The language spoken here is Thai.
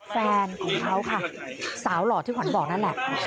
แฟนของเขาค่ะสาวหล่อที่ขวัญบอกนั่นแหละ